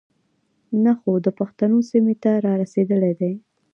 نۀ خو د پښتنو سيمې ته را رسېدلے دے.